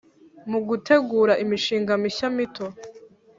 mu gutegura imishinga mishya mito